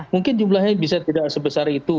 mungkin jumlahnya bisa tidak sebesar itu